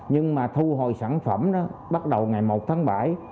nhưng mà thu hồi sản phẩm đó bắt đầu ngày một tháng bảy